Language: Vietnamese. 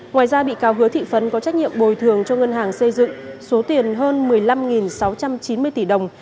ngoài ra bị cáo hứa thị phấn có trách nhiệm bồi thường cho ngân hàng xây dựng số tiền hơn một mươi năm sáu trăm chín mươi tỷ đồng